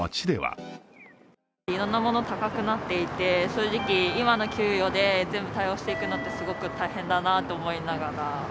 いろんなものが高くなっていて正直、今の給与で全部対応していくのはすごく大変だなと思いながら。